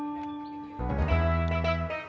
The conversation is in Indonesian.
jadi kamu siap makan